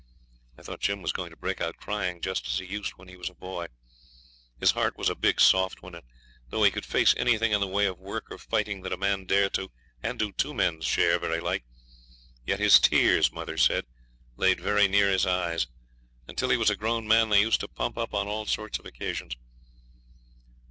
I thought Jim was going to break out crying just as he used when he was a boy. His heart was a big soft one; and though he could face anything in the way of work or fighting that a man dare do, and do two men's share very like, yet his tears, mother said, laid very near his eyes, and till he was a grown man they used to pump up on all sorts of occasions.